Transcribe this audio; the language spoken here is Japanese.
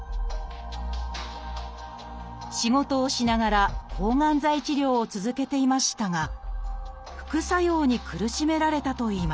仕事をしながら抗がん剤治療を続けていましたが副作用に苦しめられたといいます